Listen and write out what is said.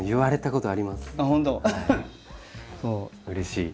うれしい。